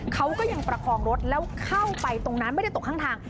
เขาก็ยังประคองรถแล้วเข้าไปตรงนั้นไม่ได้ตกข้างทาง